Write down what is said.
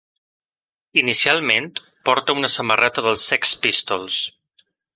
Inicialment, porta una samarreta dels Sex Pistols.